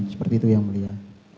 seperti itu yang mulia